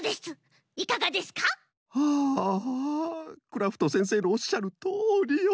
クラフトせんせいのおっしゃるとおりよ。